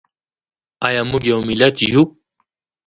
ایا موږ یو ملت یو؟